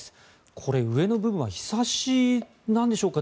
これ、上の部分はひさしなんでしょうか。